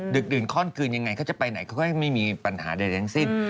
ดื่นข้อนคืนยังไงเขาจะไปไหนเขาก็ไม่มีปัญหาใดทั้งสิ้น